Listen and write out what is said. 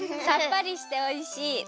さっぱりしておいしい！